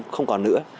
không còn nữa